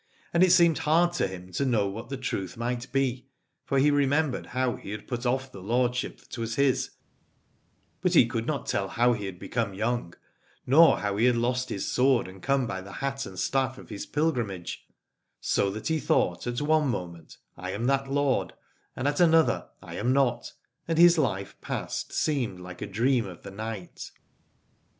And it seemed hard to him to know what the truth might be : for he remembered how he had put off the lordship that was his, but he could not tell how he had become young, nor how he had lost his sword and come by the hat and staff of his pilgrimage : so that he thought at one moment, I am that lord, and at another, I am not, and his life past seemed like a dream of the night.